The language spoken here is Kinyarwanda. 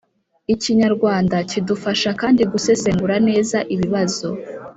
Ikinyarwanda kidufasha kandi gusesengura neza ibibazo